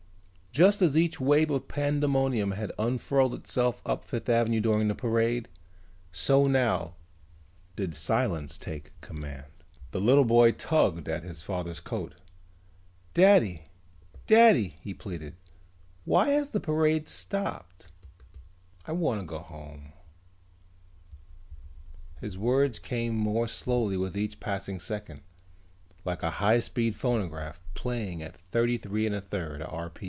Just as each wave of pandemonium had unfurled itself up Fifth Avenue during the parade, so now did silence take command. The little boy tugged at his father's coat. "Daddy! Daddy," he pleaded, "why has the parade stopped? I wan na go home " His words came more slowly with each passing second, like a high speed phonograph playing at thirty three and a third r.